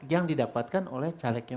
yang didapatkan oleh calegnya